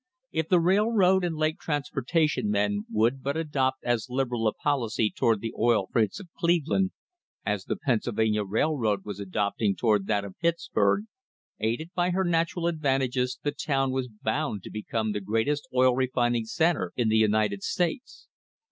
If the railroad and lake transportation men would but adopt as liberal a policy toward the oil freights of Cleve land as the Pennsylvania Railroad was adopting toward that of Pittsburg, aided by her natural advantages the town was bound to become the greatest oil refining centre in the United States.